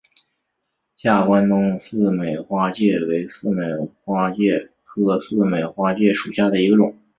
下关东似美花介为似美花介科似美花介属下的一个种。